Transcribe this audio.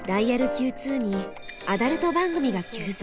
Ｑ２にアダルト番組が急増。